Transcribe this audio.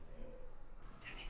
じゃあね。